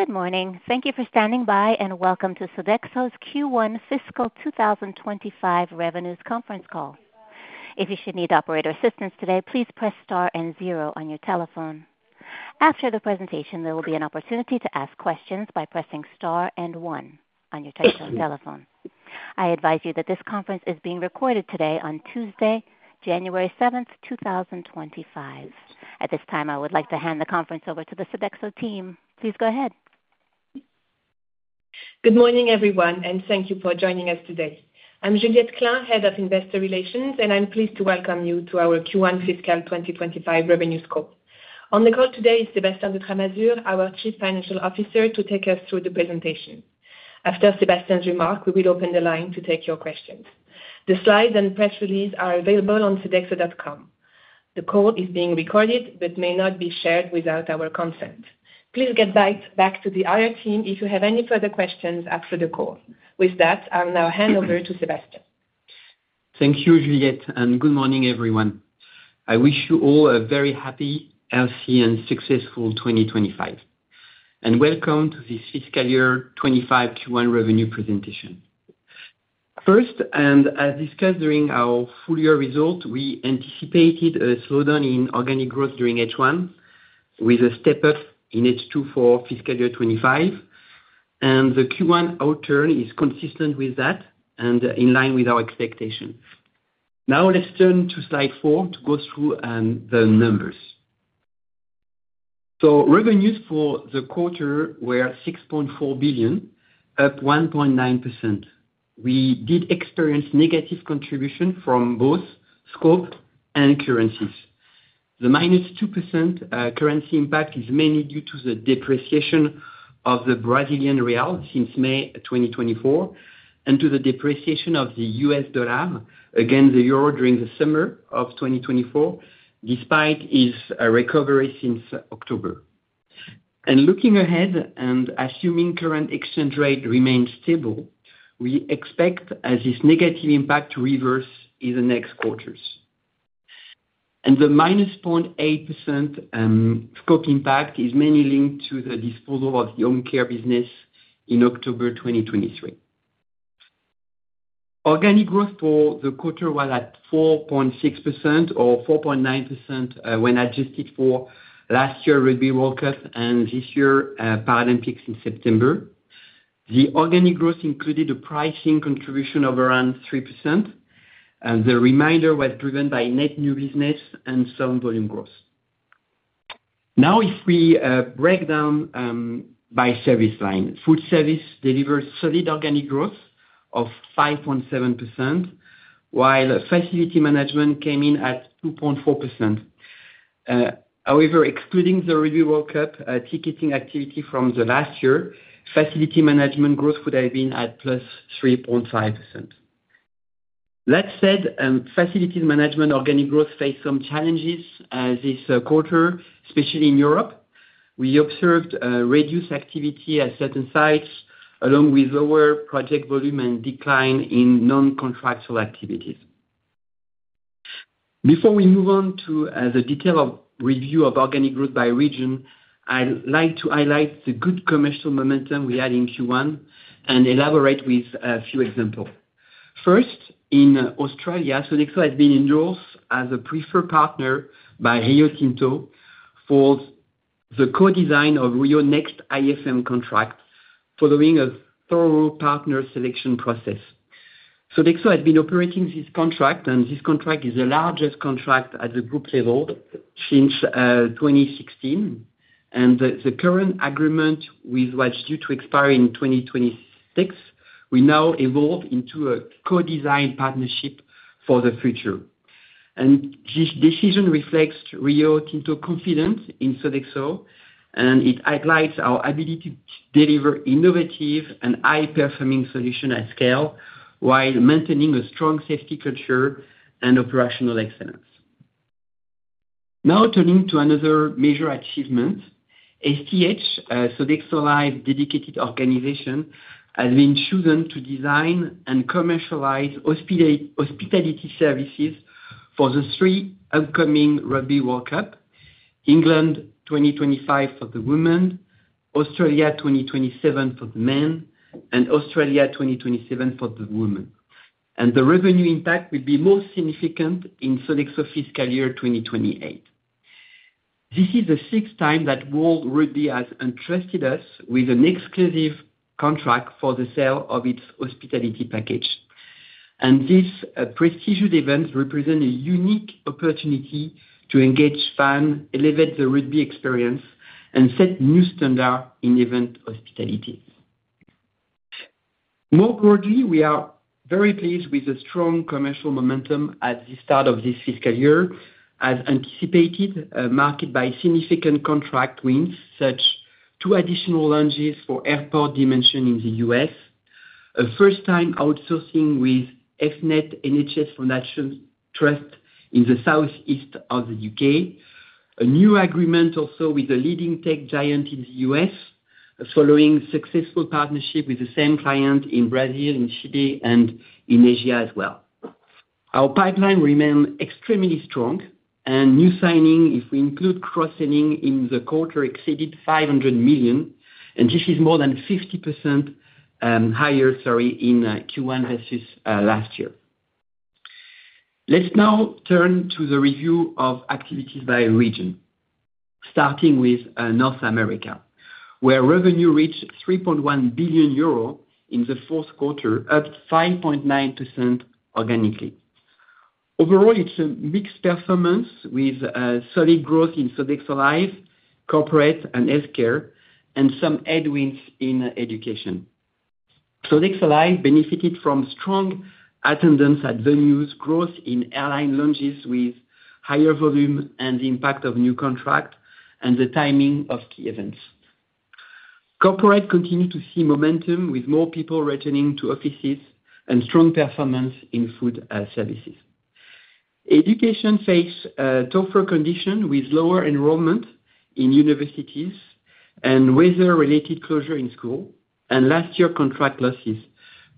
Good morning. Thank you for standing by and welcome to Sodexo's Q1 Fiscal 2025 revenues conference call. If you should need operator assistance today, please press star and zero on your telephone. After the presentation, there will be an opportunity to ask questions by pressing star and one on your telephone. Thank you. I advise you that this conference is being recorded today on Tuesday, January 7th, 2025. At this time, I would like to hand the conference over to the Sodexo team. Please go ahead. Good morning, everyone, and thank you for joining us today. I'm Juliette Klein, Head of Investor Relations, and I'm pleased to welcome you to our Q1 Fiscal 2025 revenue call. On the call today is Sébastien de Tramasure, our Chief Financial Officer, to take us through the presentation. After Sébastien's remark, we will open the line to take your questions. The slides and press release are available on Sodexo.com. The call is being recorded but may not be shared without our consent. Please get back to the IR team if you have any further questions after the call. With that, I'll now hand over to Sébastien. Thank you, Juliette, and good morning, everyone. I wish you all a very happy, healthy, and successful 2025, and welcome to this Fiscal Year 25 Q1 revenue presentation. First, and as discussed during our full-year result, we anticipated a slowdown in organic growth during H1, with a step-up in H2 for Fiscal Year 25, and the Q1 outturn is consistent with that and in line with our expectations. Now, let's turn to slide four to go through the numbers. So, revenues for the quarter were 6.4 billion, up 1.9%. We did experience negative contribution from both scope and currencies. The -2% currency impact is mainly due to the depreciation of the Brazilian real since May 2024 and to the depreciation of the U.S. dollar against the euro during the summer of 2024, despite its recovery since October. Looking ahead and assuming current exchange rate remains stable, we expect this negative impact to reverse in the next quarters. The minus 0.8% scope impact is mainly linked to the disposal of the home care business in October 2023. Organic growth for the quarter was at 4.6%, or 4.9% when adjusted for last year's Rugby World Cup and this year's Paralympics in September. The organic growth included a pricing contribution of around 3%, and the remainder was driven by net new business and some volume growth. Now, if we break down by service line, food service delivered solid organic growth of 5.7%, while facility management came in at 2.4%. However, excluding the Rugby World Cup ticketing activity from the last year, facility management growth would have been at plus 3.5%. That said, facilities management organic growth faced some challenges this quarter, especially in Europe. We observed reduced activity at certain sites, along with lower project volume and decline in non-contractual activities. Before we move on to the detailed review of organic growth by region, I'd like to highlight the good commercial momentum we had in Q1 and elaborate with a few examples. First, in Australia, Sodexo has been endorsed as a preferred partner by Rio Tinto for the co-design of Rio Next IFM contract, following a thorough partner selection process. Sodexo has been operating this contract, and this contract is the largest contract at the group level since 2016, and the current agreement, which was due to expire in 2026, will now evolve into a co-design partnership for the future, and this decision reflects Rio Tinto's confidence in Sodexo, and it highlights our ability to deliver innovative and high-performing solutions at scale while maintaining a strong safety culture and operational excellence. Now, turning to another major achievement, Sodexo Live! dedicated organization, has been chosen to design and commercialize hospitality services for the three upcoming Rugby World Cups: England 2025 for the women, Australia 2027 for the men, and Australia 2027 for the women. And the revenue impact will be most significant in Sodexo Fiscal Year 2028. This is the sixth time that World Rugby has entrusted us with an exclusive contract for the sale of its hospitality package. And this prestigious event represents a unique opportunity to engage fans, elevate the rugby experience, and set a new standard in event hospitality. More broadly, we are very pleased with the strong commercial momentum at the start of this fiscal year, as anticipated, marked by significant contract wins, such as two additional lounges for Airport Dimensions in the U.S., a first-time outsourcing with ESNEFT NHS Foundation Trust in the southeast of the U.K., a new agreement also with a leading tech giant in the U.S., following a successful partnership with the same client in Brazil, in Chile, and in Asia as well. Our pipeline remains extremely strong, and new signings, if we include cross-selling, in the quarter exceeded €500 million, and this is more than 50% higher, sorry, in Q1 versus last year. Let's now turn to the review of activities by region, starting with North America, where revenue reached €3.1 billion in the fourth quarter, up 5.9% organically. Overall, it's a mixed performance with solid growth in Sodexo Live!, corporate and healthcare, and some headwinds in education. Sodexo Live! benefited from strong attendance at venues, growth in airline lounges with higher volume, and the impact of new contracts and the timing of key events. Corporate continued to see momentum, with more people returning to offices and strong performance in food services. Education faced tougher conditions with lower enrollment in universities and weather-related closures in schools, and last year's contract losses,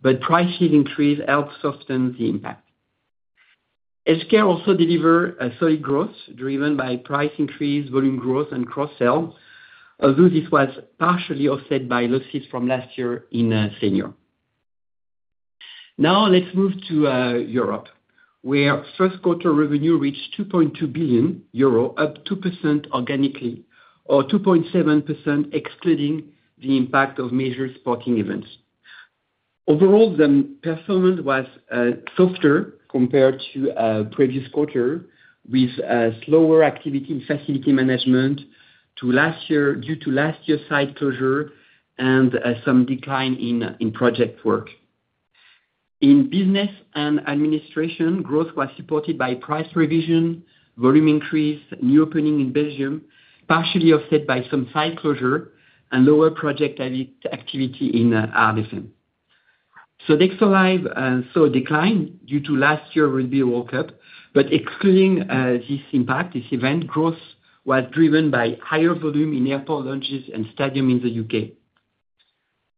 but price increases helped soften the impact. Healthcare also delivered solid growth driven by price increases, volume growth, and cross-selling, although this was partially offset by losses from last year in seniors. Now, let's move to Europe, where first-quarter revenue reached 2.2 billion euro, up 2% organically, or 2.7% excluding the impact of major sporting events. Overall, the performance was softer compared to the previous quarter, with slower activity in facility management due to last year's site closure and some decline in project work. In Business and Administration, growth was supported by price revision, volume increase, new opening in Belgium, partially offset by some site closure and lower project activity in our FM. Sodexo Live! saw a decline due to last year's Rugby World Cup, but excluding this impact, this event growth was driven by higher volume in airport lounges and stadiums in the U.K.,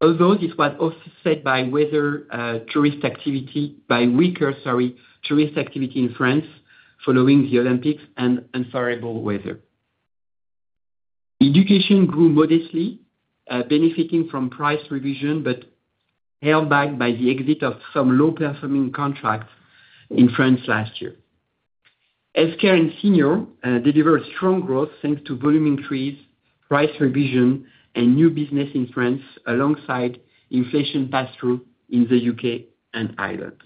although this was offset by weather tourist activity, by weaker tourist activity in France following the Olympics and unfavorable weather. Education grew modestly, benefiting from price revision but held back by the exit of some low-performing contracts in France last year. Healthcare and seniors delivered strong growth thanks to volume increase, price revision, and new business in France alongside inflation pass-through in the UK and Ireland.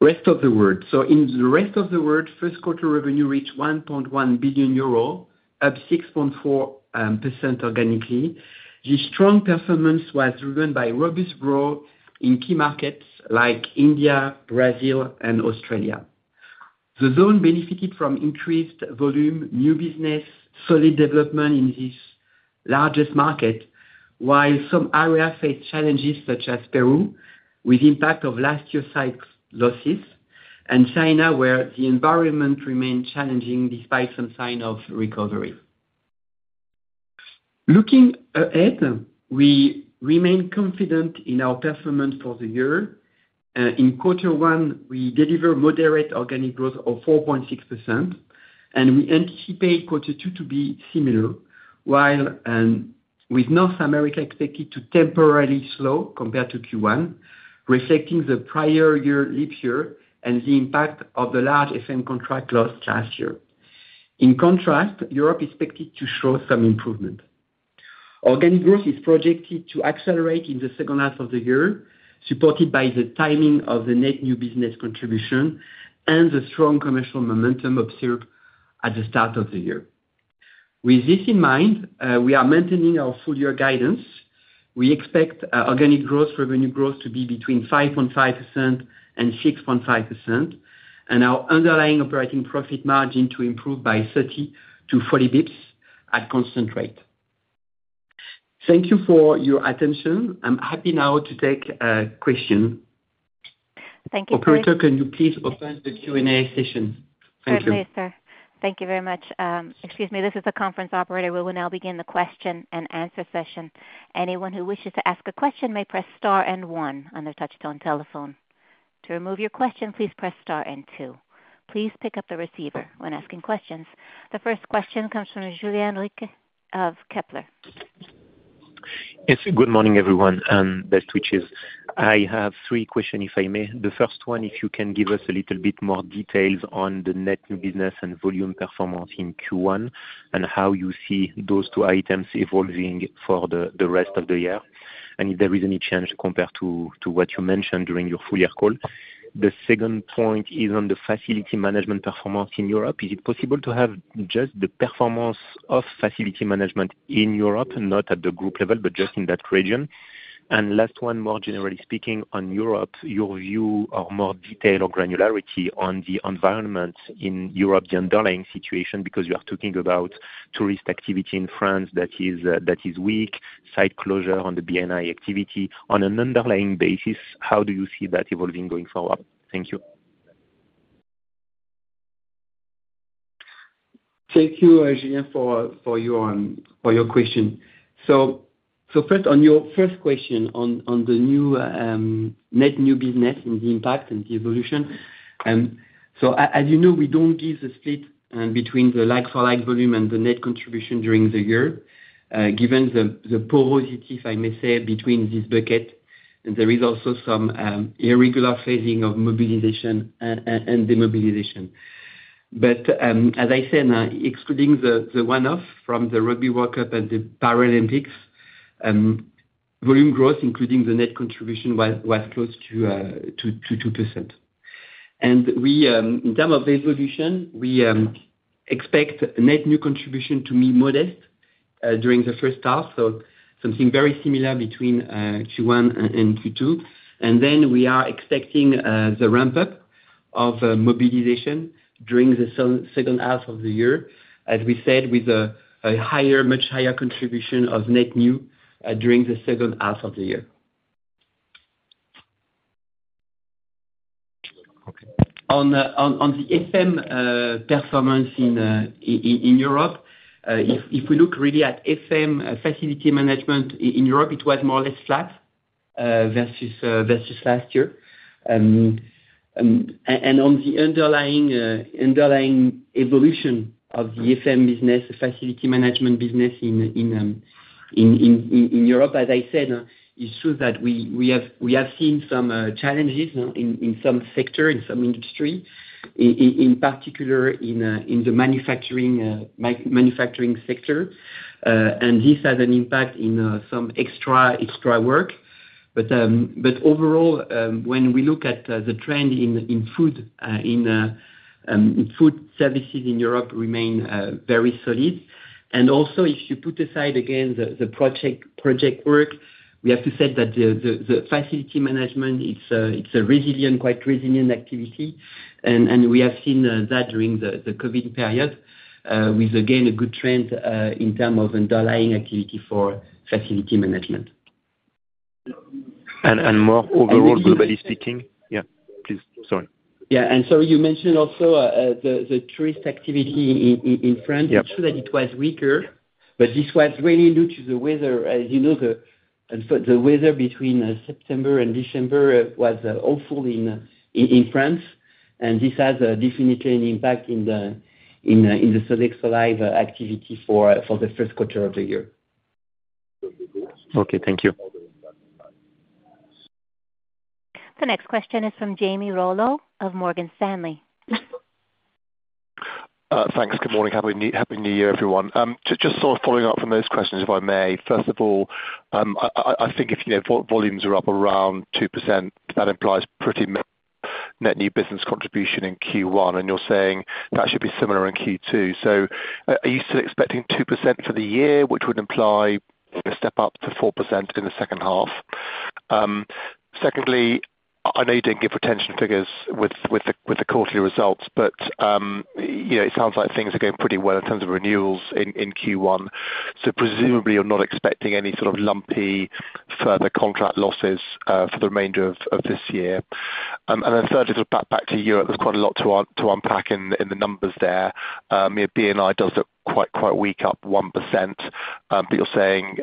Rest of the world. In the rest of the world, first-quarter revenue reached 1.1 billion euro, up 6.4% organically. This strong performance was driven by robust growth in key markets like India, Brazil, and Australia. The zone benefited from increased volume, new business, solid development in this largest market, while some areas faced challenges such as Peru, with the impact of last year's site losses, and China, where the environment remained challenging despite some signs of recovery. Looking ahead, we remain confident in our performance for the year. In quarter one, we delivered moderate organic growth of 4.6%, and we anticipate quarter two to be similar, while North America is expected to temporarily slow compared to Q1, reflecting the prior year's leap year and the impact of the large FM contract loss last year. In contrast, Europe is expected to show some improvement. Organic growth is projected to accelerate in the second half of the year, supported by the timing of the net new business contribution and the strong commercial momentum observed at the start of the year. With this in mind, we are maintaining our full-year guidance. We expect organic revenue growth to be between 5.5% and 6.5%, and our underlying operating profit margin to improve by 30 to 40 basis points at constant rate. Thank you for your attention. I'm happy now to take questions. Thank you, sir. Operator, can you please open the Q&A session? Thank you. Certainly, sir. Thank you very much. Excuse me, this is the conference operator. We will now begin the question and answer session. Anyone who wishes to ask a question may press star and one on their touch-tone telephone. To remove your question, please press star and two. Please pick up the receiver when asking questions. The first question comes from Julien Richer of Kepler. Yes, good morning, everyone. Best wishes. I have three questions, if I may. The first one, if you can give us a little bit more details on the net new business and volume performance in Q1 and how you see those two items evolving for the rest of the year, and if there is any change compared to what you mentioned during your full-year call. The second point is on the facility management performance in Europe. Is it possible to have just the performance of facility management in Europe, not at the group level, but just in that region? And last one, more generally speaking, on Europe, your view or more detail or granularity on the environment in Europe, the underlying situation, because you are talking about tourist activity in France that is weak, site closure on the B&I activity. On an underlying basis, how do you see that evolving going forward? Thank you. Thank you, Julien, for your question. So first, on your first question on the new net new business and the impact and the evolution, so as you know, we don't give the split between the like-for-like volume and the net contribution during the year, given the porosity, I may say, between this bucket. And there is also some irregular phasing of mobilization and demobilization. But as I said, excluding the one-off from the Rugby World Cup and the Paralympics, volume growth, including the net contribution, was close to 2%. And in terms of evolution, we expect net new contribution to be modest during the first half, so something very similar between Q1 and Q2. And then we are expecting the ramp-up of mobilization during the second half of the year, as we said, with a much higher contribution of net new during the second half of the year. On the FM performance in Europe, if we look really at FM facility management in Europe, it was more or less flat versus last year. And on the underlying evolution of the FM business, the facility management business in Europe, as I said, it's true that we have seen some challenges in some sectors, in some industries, in particular in the manufacturing sector, and this has an impact in some extra work. But overall, when we look at the trend in food, food services in Europe remain very solid. And also, if you put aside, again, the project work, we have to say that the facility management, it's a quite resilient activity, and we have seen that during the COVID period, with, again, a good trend in terms of underlying activity for facility management. And more overall, globally speaking? Yeah. Yeah, please. Sorry. Yeah. Sorry, you mentioned also the tourist activity in France. It's true that it was weaker, but this was really due to the weather. As you know, the weather between September and December was awful in France, and this has definitely an impact in the Sodexo Live !activity for the first quarter of the year. Okay. Thank you. The next question is from Jamie Rollo of Morgan Stanley. Thanks. Good morning. Happy New Year, everyone. Just sort of following up from those questions, if I may. First of all, I think if volumes are up around 2%, that implies pretty much net new business contribution in Q1, and you're saying that should be similar in Q2. So are you still expecting 2% for the year, which would imply a step up to 4% in the second half? Secondly, I know you didn't give retention figures with the quarterly results, but it sounds like things are going pretty well in terms of renewals in Q1, so presumably, you're not expecting any sort of lumpy further contract losses for the remainder of this year. And then thirdly, back to Europe, there's quite a lot to unpack in the numbers there. B&A does look quite weak up 1%, but you're saying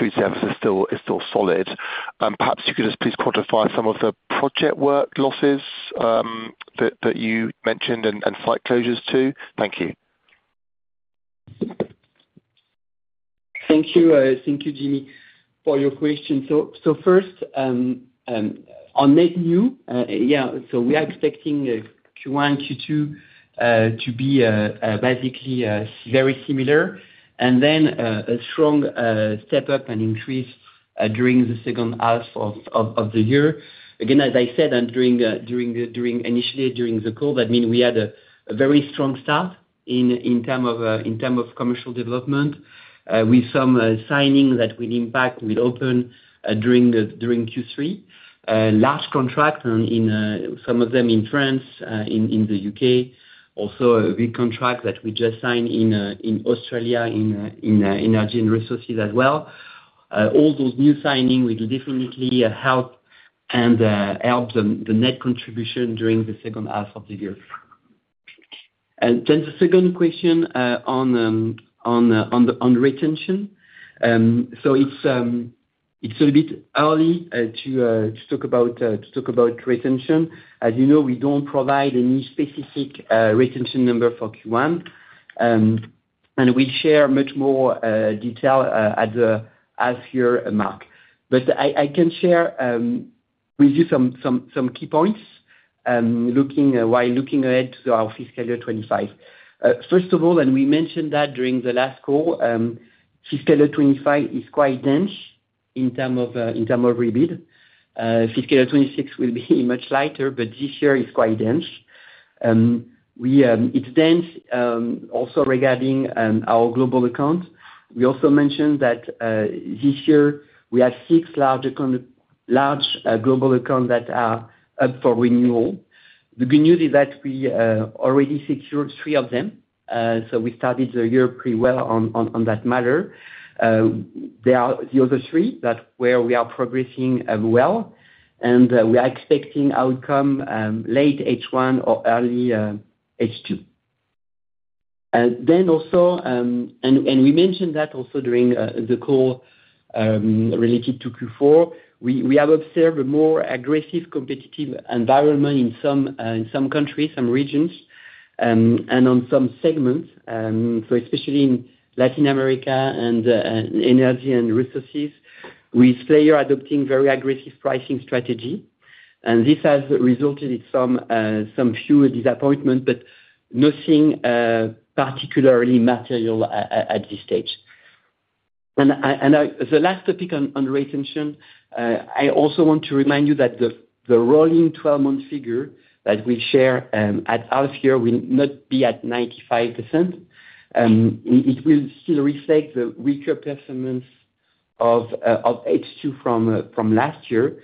food services is still solid. Perhaps you could just please quantify some of the project work losses that you mentioned and site closures too? Thank you. Thank you. Thank you, Jamie, for your question. So first, on net new, yeah, so we are expecting Q1 and Q2 to be basically very similar, and then a strong step up and increase during the second half of the year. Again, as I said, and initially during the call, that means we had a very strong start in terms of commercial development with some signings that will impact and will open during Q3, large contracts, some of them in France, in the UK, also a big contract that we just signed in Australia in energy and resources as well. All those new signings will definitely help and help the net contribution during the second half of the year. And then the second question on retention. So it's a bit early to talk about retention. As you know, we don't provide any specific retention number for Q1, and we'll share much more detail as the year progresses. But I can share with you some key points while looking ahead to our fiscal year 2025. First of all, and we mentioned that during the last call, fiscal year 2025 is quite dense in terms of rebid. Fiscal year 2026 will be much lighter, but this year is quite dense. It's dense also regarding our global accounts. We also mentioned that this year, we have six large global accounts that are up for renewal. The good news is that we already secured three of them, so we started the year pretty well on that matter. The other three, that's where we are progressing well, and we are expecting outcome late H1 or early H2. And we mentioned that also during the call related to Q4. We have observed a more aggressive competitive environment in some countries, some regions, and on some segments, especially in Latin America and energy and resources, with players adopting very aggressive pricing strategies, and this has resulted in some few disappointments, but nothing particularly material at this stage, and the last topic on retention, I also want to remind you that the rolling 12-month figure that we share at half year will not be at 95%. It will still reflect the weaker performance of H2 from last year,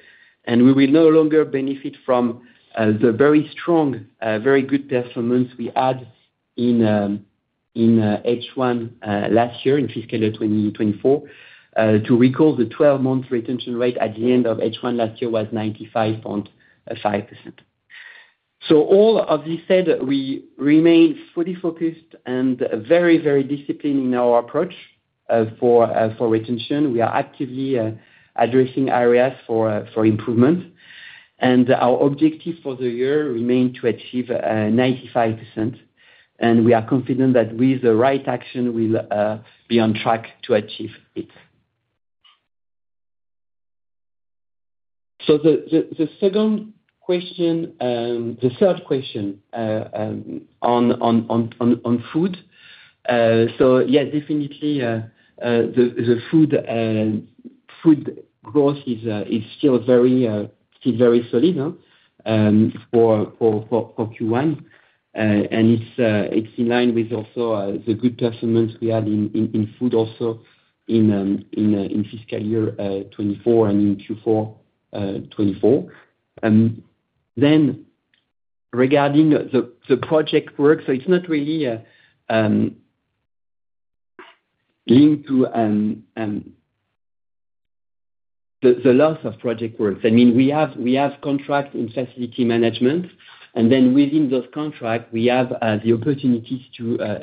and we will no longer benefit from the very strong, very good performance we had in H1 last year in fiscal year 2024. To recall, the 12-month retention rate at the end of H1 last year was 95.5%, so all of this said, we remain fully focused and very, very disciplined in our approach for retention. We are actively addressing areas for improvement, and our objective for the year remains to achieve 95%, and we are confident that with the right action, we'll be on track to achieve it. The third question on food, yes, definitely, the food growth is still very solid for Q1, and it's in line with also the good performance we had in food also in fiscal year 2024 and in Q4 2024. Regarding the project work, it's not really linked to the loss of project work. I mean, we have contracts in facility management, and then within those contracts, we have the opportunities to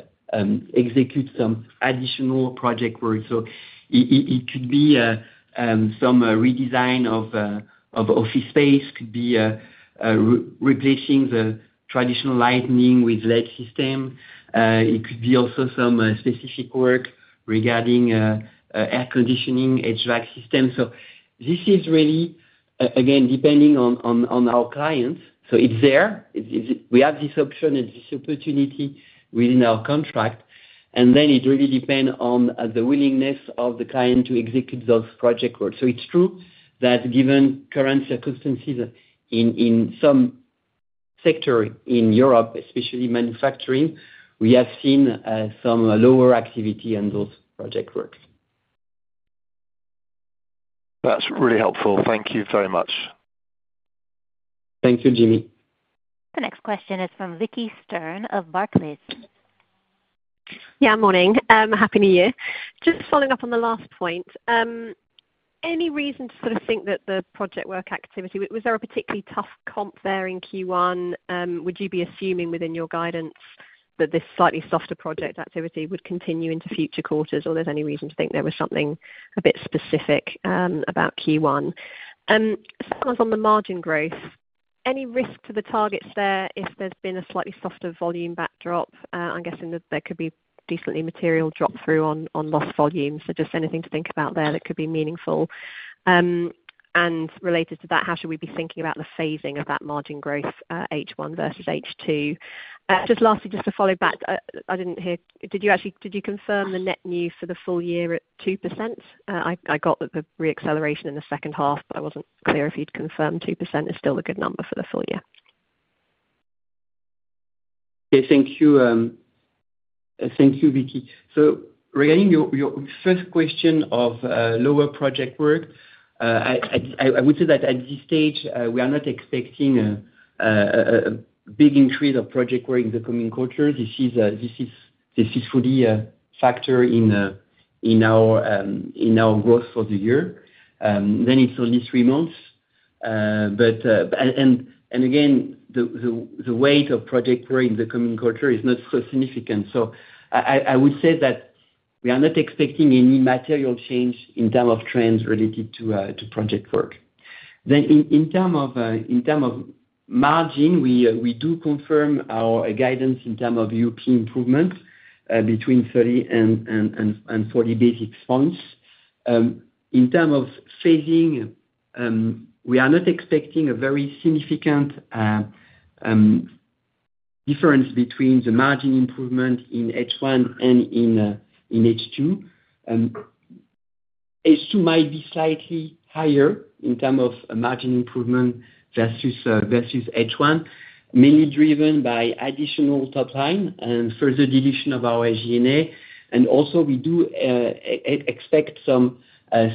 execute some additional project work. It could be some redesign of office space, could be replacing the traditional lighting with LED systems. It could be also some specific work regarding air conditioning, HVAC systems. So this is really, again, depending on our clients. So it's there. We have this option and this opportunity within our contract. And then it really depends on the willingness of the client to execute those project work. So it's true that given current circumstances in some sectors in Europe, especially manufacturing, we have seen some lower activity on those project works. That's really helpful. Thank you very much. Thank you, Jamie. The next question is from Vicki Stern of Barclays. Yeah, morning. Happy New Year. Just following up on the last point, any reason to sort of think that the project work activity, was there a particularly tough comp there in Q1? Would you be assuming within your guidance that this slightly softer project activity would continue into future quarters, or there's any reason to think there was something a bit specific about Q1? Same as on the margin growth, any risk to the targets there if there's been a slightly softer volume backdrop? I'm guessing that there could be decently material drop-through on lost volume. So just anything to think about there that could be meaningful. And related to that, how should we be thinking about the phasing of that margin growth, H1 versus H2? Just lastly, just to follow back, I didn't hear, did you confirm the net new for the full year at 2%? I got the reacceleration in the second half, but I wasn't clear if you'd confirm 2% is still a good number for the full year. Okay. Thank you. Thank you, Vicki. So regarding your first question of lower project work, I would say that at this stage, we are not expecting a big increase of project work in the coming quarter. This is fully factored in our growth for the year. Then it's only three months. And again, the weight of project work in the coming quarter is not so significant. So I would say that we are not expecting any material change in terms of trends related to project work. Then in terms of margin, we do confirm our guidance in terms of UP improvement between 30 and 40 basis points. In terms of phasing, we are not expecting a very significant difference between the margin improvement in H1 and in H2. H2 might be slightly higher in terms of margin improvement versus H1, mainly driven by additional top line and further reduction of our SG&A. And also, we do expect some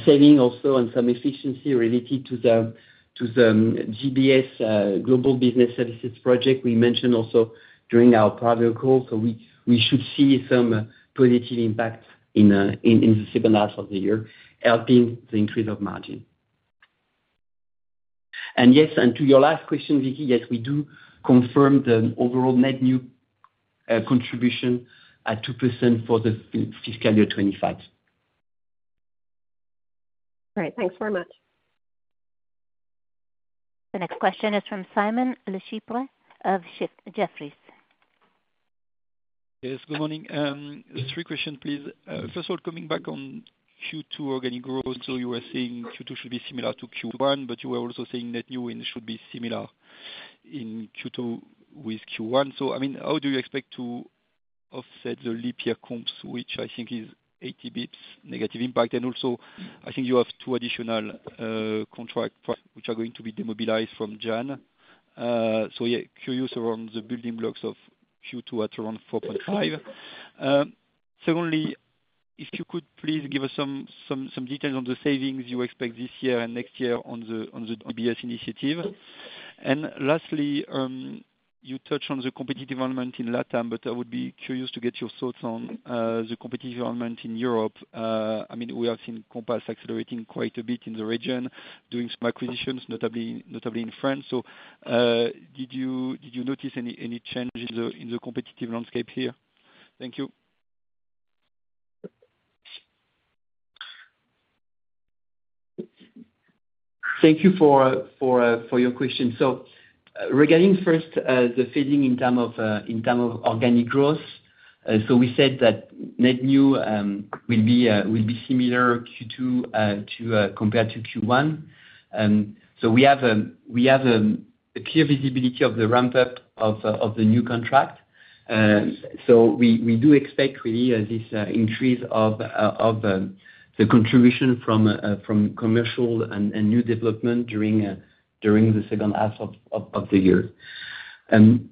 savings also and some efficiency related to the GBS Global Business Services project we mentioned also during our prior call. So we should see some positive impact in the second half of the year, helping the increase of margin. And yes, and to your last question, Vicki, yes, we do confirm the overall net new contribution at 2% for the fiscal year 2025. Great. Thanks very much. The next question is from Simon Lechipre of Jefferies. Yes, good morning. Three questions, please .First of all, coming back on Q2 organic growth, so you were saying Q2 should be similar to Q1, but you were also saying net new should be similar in Q2 with Q1. So I mean, how do you expect to offset the leap year comps, which I think is 80 basis points negative impact? And also, I think you have two additional contracts which are going to be demobilized from January. So yeah, curious around the building blocks of Q2 at around 4.5%. Secondly, if you could please give us some details on the savings you expect this year and next year on the GBS initiative. And lastly, you touched on the competitive element in LATAM, but I would be curious to get your thoughts on the competitive element in Europe. I mean, we have seen Compass accelerating quite a bit in the region, doing some acquisitions, notably in France. So did you notice any change in the competitive landscape here? Thank you. Thank you for your question. So regarding first the phasing in terms of organic growth, so we said that net new will be similar Q2 compared to Q1. So we have a clear visibility of the ramp-up of the new contract. So we do expect really this increase of the contribution from commercial and new development during the second half of the year. Then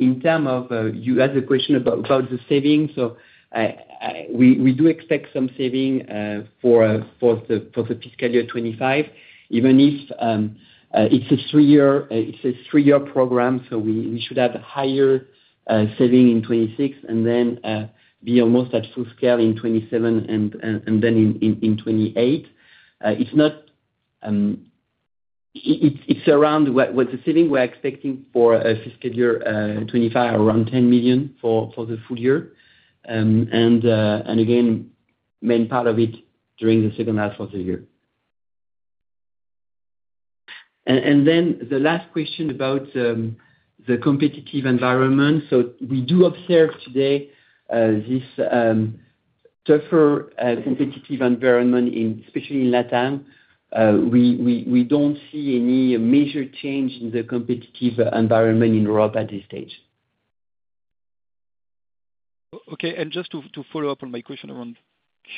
in terms of you had the question about the savings, so we do expect some saving for the fiscal year 2025, even if it's a three-year program. So we should have higher saving in 2026 and then be almost at full scale in 2027 and then in 2028. It's around what the saving we're expecting for fiscal year 2025, around 10 million for the full year. And again, main part of it during the second half of the year. And then the last question about the competitive environment. So we do observe today this tougher competitive environment, especially in LATAM. We don't see any major change in the competitive environment in Europe at this stage. Okay. And just to follow up on my question around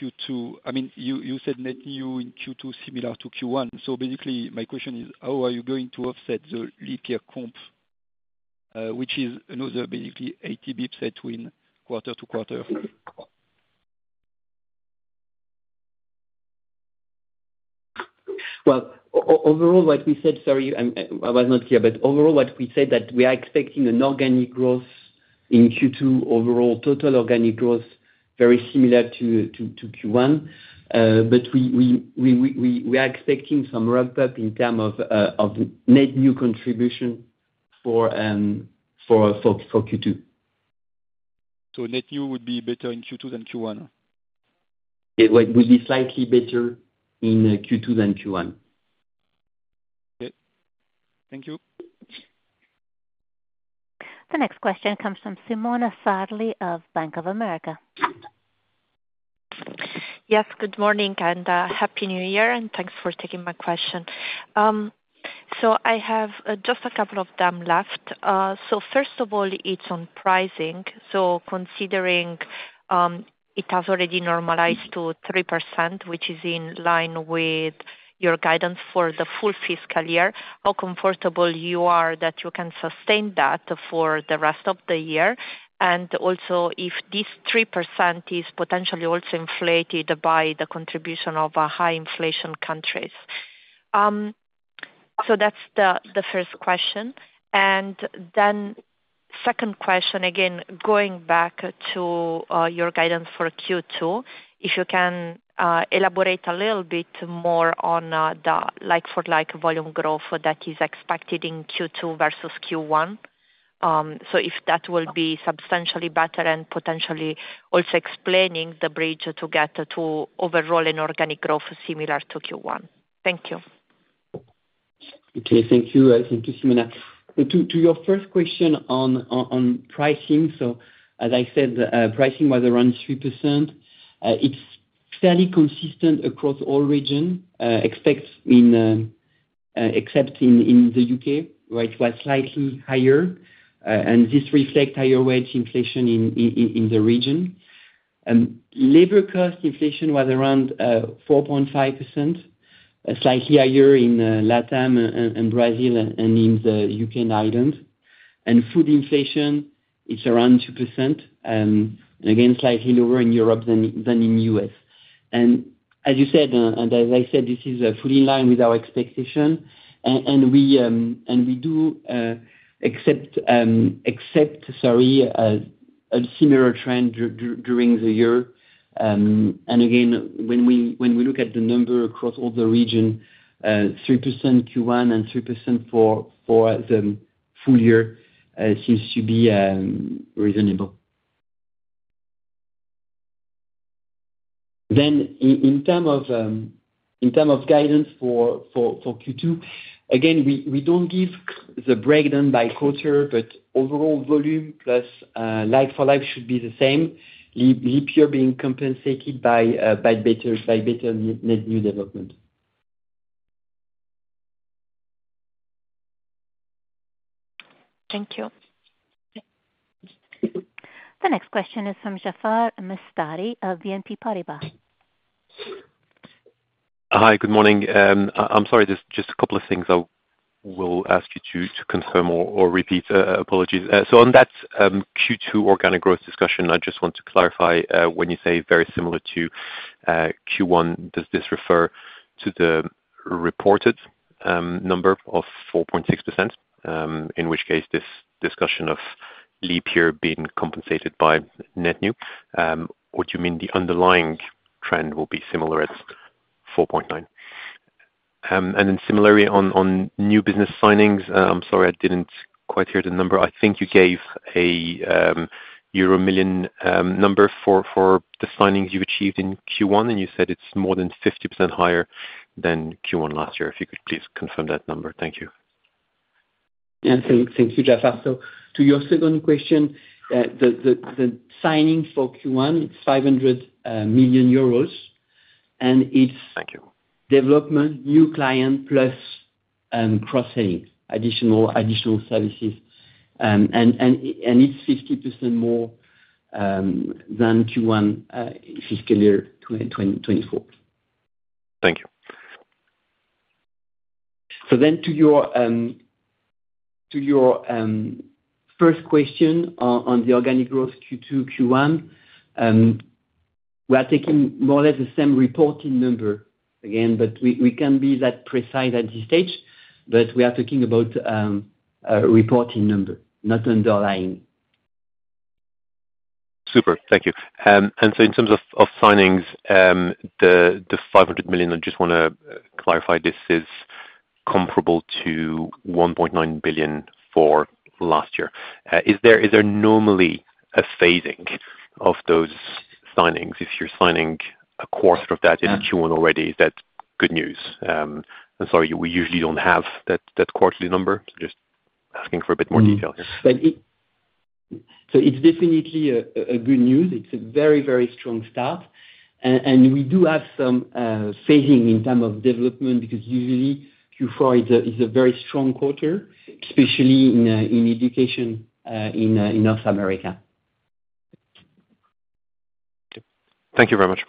Q2, I mean, you said net new in Q2 similar to Q1. So basically, my question is, how are you going to offset the leap year comp, which is another basically 80 basis points headwind quarter to quarter? Overall, what we said, sorry, I was not clear, but overall, what we said that we are expecting an organic growth in Q2, overall total organic growth very similar to Q1. But we are expecting some ramp-up in terms of net new contribution for Q2. So net new would be better in Q2 than Q1? It would be slightly better in Q2 than Q1. Okay. Thank you. The next question comes from Simona Sarli of Bank of America. Yes, good morning and happy New Year, and thanks for taking my question. So I have just a couple of them left. So first of all, it's on pricing. So considering it has already normalized to 3%, which is in line with your guidance for the full fiscal year, how comfortable you are that you can sustain that for the rest of the year? And also, if this 3% is potentially also inflated by the contribution of high-inflation countries? So that's the first question. And then second question, again, going back to your guidance for Q2, if you can elaborate a little bit more on the like-for-like volume growth that is expected in Q2 versus Q1? So if that will be substantially better and potentially also explaining the bridge to get to overall and organic growth similar to Q1. Thank you. Okay. Thank you. Thank you, Simona. To your first question on pricing, so as I said, pricing was around 3%. It's fairly consistent across all regions, except in the U.K., where it was slightly higher, and this reflects higher wage inflation in the region. Labor cost inflation was around 4.5%, slightly higher in LATAM and Brazil and in the U.K. and Ireland. And food inflation, it's around 2%, and again, slightly lower in Europe than in the U.S. And as you said, and as I said, this is fully in line with our expectation. And we do accept, sorry, a similar trend during the year. And again, when we look at the number across all the region, 3% Q1 and 3% for the full year seems to be reasonable. Then in terms of guidance for Q2, again, we don't give the breakdown by quarter, but overall volume plus like-for-like should be the same, leap year being compensated by better net new business. Thank you. The next question is from Jaafar Mestari of Exane BNP Paribas. Hi, good morning. I'm sorry, just a couple of things I will ask you to confirm or repeat. Apologies. So on that Q2 organic growth discussion, I just want to clarify when you say very similar to Q1, does this refer to the reported number of 4.6%, in which case this discussion of leap year being compensated by net new? Would you mean the underlying trend will be similar at 4.9%? And then similarly on new business signings, I'm sorry, I didn't quite hear the number. I think you gave a euro million number for the signings you've achieved in Q1, and you said it's more than 50% higher than Q1 last year. If you could please confirm that number. Thank you. Yeah, thank you, Jaafar, so to your second question, the signing for Q1, it's 500 million euros, and it's development, new client plus cross-selling, additional services, and it's 50% more than Q1 fiscal year 2024. Thank you. So then to your first question on the organic growth Q2, Q1, we are taking more or less the same reporting number again, but we can't be that precise at this stage. But we are talking about reporting number, not underlying. Super. Thank you. And so in terms of signings, the 500 million, I just want to clarify this is comparable to 1.9 billion for last year. Is there normally a phasing of those signings? If you're signing a quarter of that in Q1 already, is that good news? And sorry, we usually don't have that quarterly number. Just asking for a bit more detail here. So it's definitely a good news. It's a very, very strong start. And we do have some phasing in terms of development because usually Q4 is a very strong quarter, especially in education in North America. Thank you very much.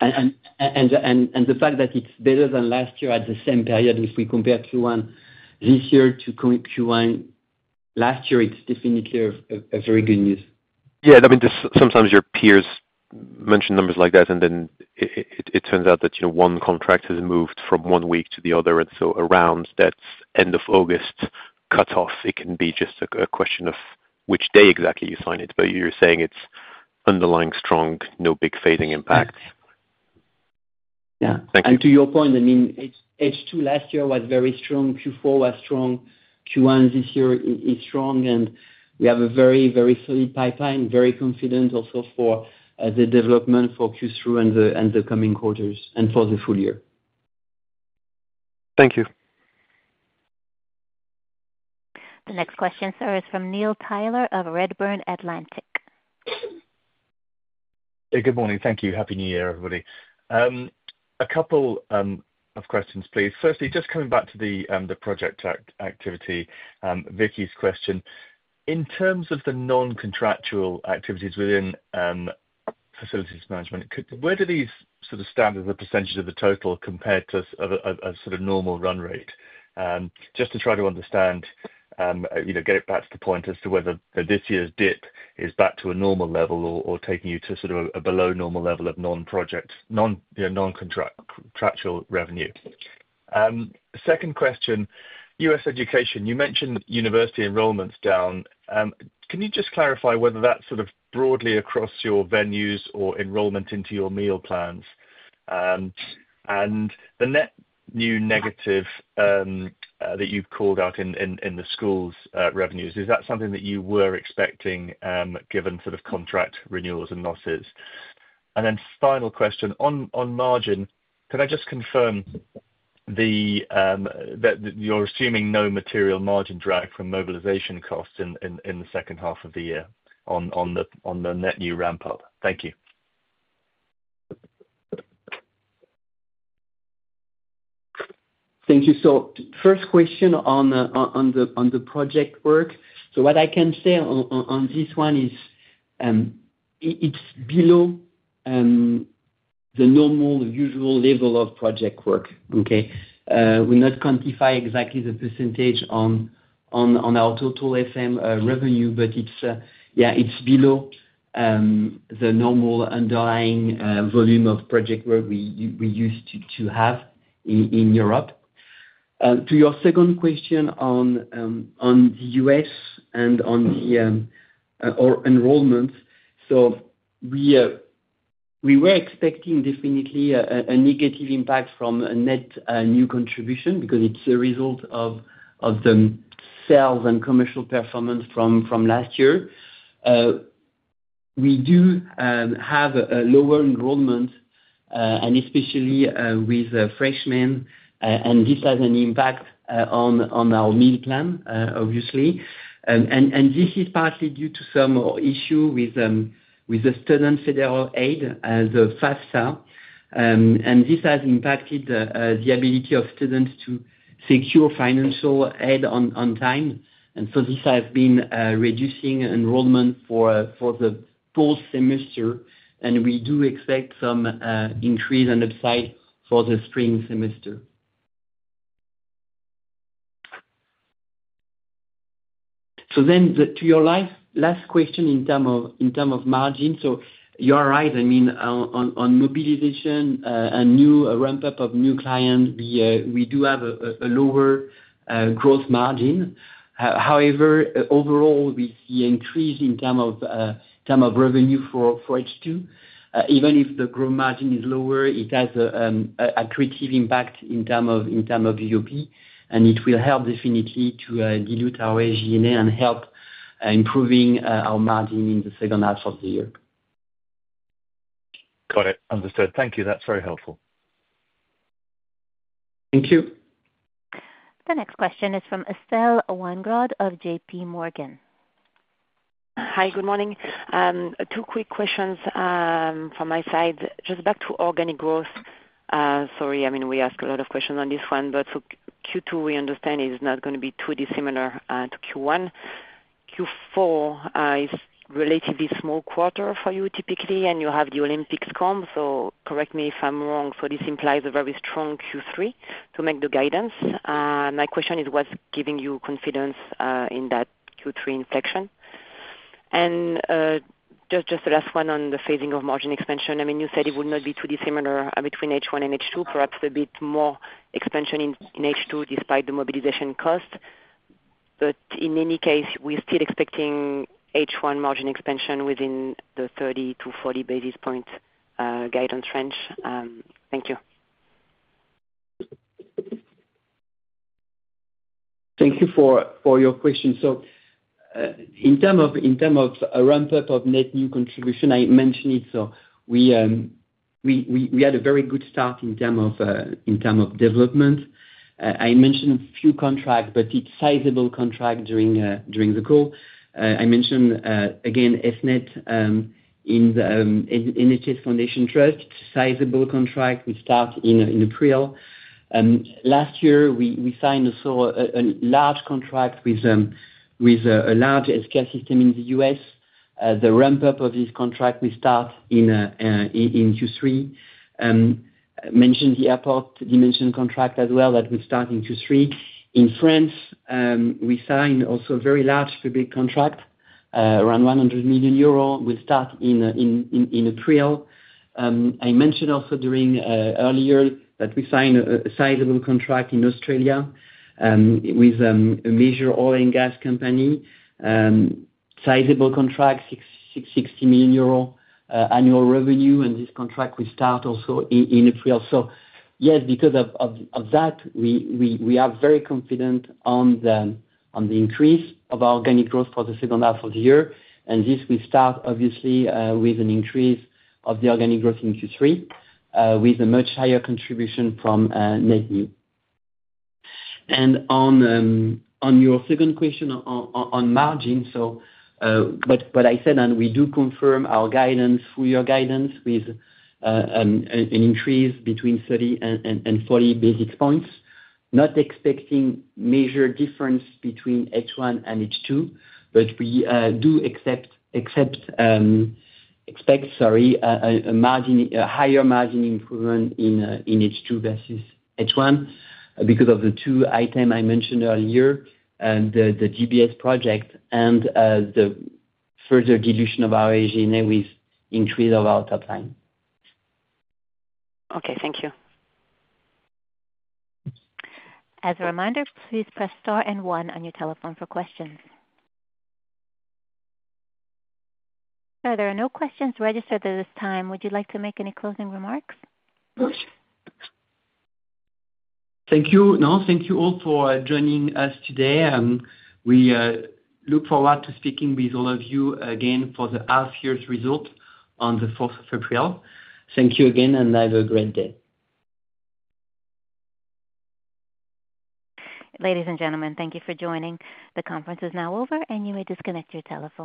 The fact that it's better than last year at the same period if we compare Q1 this year to Q1 last year. It's definitely a very good news. Yeah. I mean, sometimes your peers mention numbers like that, and then it turns out that one contract has moved from one week to the other. And so around that end of August cutoff, it can be just a question of which day exactly you sign it. But you're saying it's underlying strong, no big phasing impact. Yeah. And to your point, I mean, H2 last year was very strong. Q4 was strong. Q1 this year is strong. And we have a very, very solid pipeline, very confident also for the development for Q3 and the coming quarters and for the full year. Thank you. The next question, sir, is from Neil Tyler of Redburn Atlantic. Yeah, good morning. Thank you. Happy New Year, everybody. A couple of questions, please. Firstly, just coming back to the project activity, Vicki's question. In terms of the non-contractual activities within facilities management, where do these sort of stand as a percentage of the total compared to a sort of normal run rate? Just to try to understand, get it back to the point as to whether this year's dip is back to a normal level or taking you to sort of a below normal level of non-contractual revenue. Second question, U.S. education. You mentioned university enrollments down. Can you just clarify whether that's sort of broadly across your venues or enrollment into your meal plans? And the net new negative that you've called out in the schools' revenues, is that something that you were expecting given sort of contract renewals and losses? And then final question, on margin, can I just confirm that you're assuming no material margin drag from mobilization costs in the second half of the year on the net new ramp-up? Thank you. Thank you. So first question on the project work. So what I can say on this one is it's below the normal, usual level of project work, okay? We're not quantifying exactly the percentage on our total FM revenue, but yeah, it's below the normal underlying volume of project work we used to have in Europe. To your second question on the US and on the enrollments, so we were expecting definitely a negative impact from net new contribution because it's a result of the sales and commercial performance from last year. We do have a lower enrollment, and especially with freshmen, and this has an impact on our meal plan, obviously. And this is partly due to some issue with the student federal aid, the FAFSA. And this has impacted the ability of students to secure financial aid on time. And so this has been reducing enrollment for the post-semester, and we do expect some increase and upside for the spring semester. So then to your last question in terms of margin, so you're right, I mean, on mobilization and new ramp-up of new clients, we do have a lower growth margin. However, overall, we see an increase in terms of revenue for H2. Even if the growth margin is lower, it has a creative impact in terms of UP, and it will help definitely to dilute our SGNA and help improving our margin in the second half of the year. Got it. Understood. Thank you. That's very helpful. Thank you. The next question is from Estelle Weingrod of J.P. Morgan. Hi, good morning. Two quick questions from my side. Just back to organic growth. Sorry, I mean, we ask a lot of questions on this one, but so Q2, we understand, is not going to be too dissimilar to Q1. Q4 is a relatively small quarter for you typically, and you have the Olympics come, so correct me if I'm wrong, so this implies a very strong Q3 to make the guidance. My question is, what's giving you confidence in that Q3 inflection? And just the last one on the phasing of margin expansion. I mean, you said it would not be too dissimilar between H1 and H2, perhaps a bit more expansion in H2 despite the mobilization cost, but in any case, we're still expecting H1 margin expansion within the 30 to 40 basis points guidance range. Thank you. Thank you for your question. In terms of ramp-up of net new contribution, I mentioned it. We had a very good start in terms of development. I mentioned a few contracts, but it's sizable contract during the call. I mentioned, again, ESNEFT in the NHS Foundation Trust, sizable contract, we start in April. Last year, we signed a large contract with a largeMSK system in the US. The ramp-up of this contract, we start in Q3. Mentioned the Airport Dimensions contract as well that we start in Q3. In France, we signed also a very large public contract, around 100 million euro. We'll start in April. I mentioned also earlier that we signed a sizable contract in Australia with a major oil and gas company. Sizable contract, 60 million euro annual revenue, and this contract we start also in April. Yes, because of that, we are very confident on the increase of our organic growth for the second half of the year. And this will start, obviously, with an increase of the organic growth in Q3 with a much higher contribution from net new. And on your second question on margin, so what I said, and we do confirm our guidance, full year guidance with an increase between 30 and 40 basis points. Not expecting major difference between H1 and H2, but we do expect, sorry, a higher margin improvement in H2 versus H1 because of the two items I mentioned earlier, the GBS project and the further dilution of our SG&A with increase of our top line. Okay. Thank you. As a reminder, please press star and one on your telephone for questions. There are no questions registered at this time. Would you like to make any closing remarks? Thank you. No, thank you all for joining us today. We look forward to speaking with all of you again for the half-year's result on the 4th of April. Thank you again, and have a great day. Ladies and gentlemen, thank you for joining. The conference is now over, and you may disconnect your telephone.